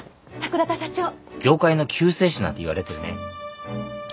業界の救世主なんて言われてるね。